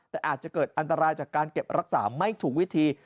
แต่อาจจะเกิดอันตรายจากการเก็บรักษาไม่ถูกวิธี